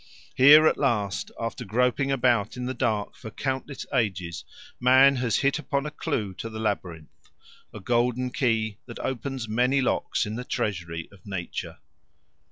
Here at last, after groping about in the dark for countless ages, man has hit upon a clue to the labyrinth, a golden key that opens many locks in the treasury of nature.